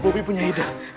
ibu punya ida